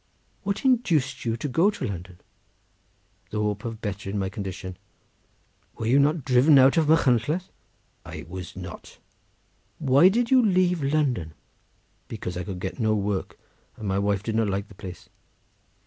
"What induced you to go to London?" "The hope of bettering my condition." "Were you not driven out of Machynlleth?" "I was not." "Why did you leave London?" "Because I could get no work, and my wife did not like the place."